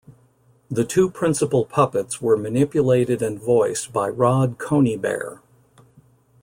The two principal puppets were manipulated and voiced by Rod Coneybeare.